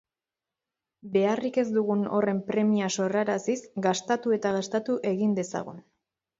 Beharrik ez dugun horren premia sorraraziz, gastatu eta gastatu egin dezagun.